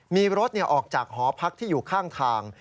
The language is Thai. มีรถออกจากหอพักที่อยู่ข้างทาง